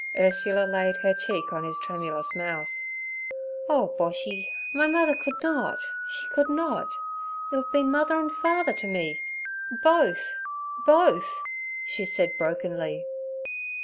Ursula laid her cheek on his tremulous mouth. 'Oh, Boshy! My mother could not—she could not. You have been mother and father to me—both, both' she said brokenly.